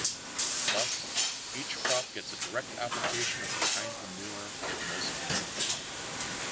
Thus each crop gets a direct application of the kind of manure it most needs.